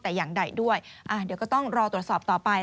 แต่อย่างใดด้วยเดี๋ยวก็ต้องรอตรวจสอบต่อไป